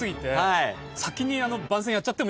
先に。